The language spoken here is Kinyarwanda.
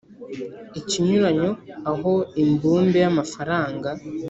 ikinyuranyo aho imbumbe y amafaranga